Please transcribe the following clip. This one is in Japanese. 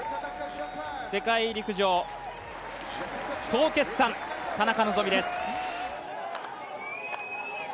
世界陸上、総決算田中希実です。